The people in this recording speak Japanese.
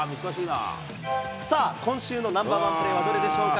さあ、今週のナンバーワンプレーはどれでしょうか？